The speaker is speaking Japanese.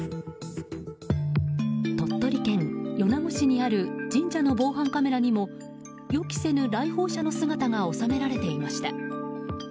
鳥取県米子市にある神社の防犯カメラにも予期せぬ来訪者の姿が収められていました。